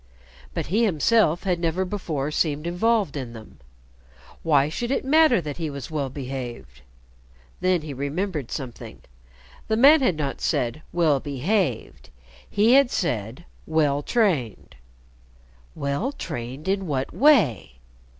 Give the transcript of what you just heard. But he himself had never before seemed involved in them. Why should it matter that he was well behaved? Then he remembered something. The man had not said "well behaved," he had said "well trained." Well trained in what way?